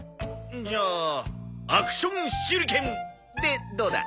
じゃあ「アクション手裏剣」でどうだ？